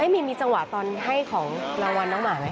มีจังหวะให้ของละวันน้องหมาไหม